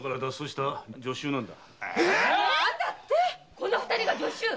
この二人が女囚！